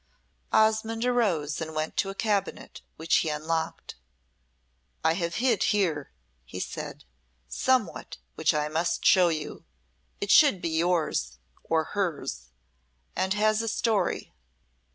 Osmonde arose and went to a cabinet, which he unlocked. "I have hid here," he said, "somewhat which I must show you. It should be yours or hers and has a story."